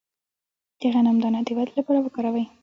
د غنم دانه د ودې لپاره وکاروئ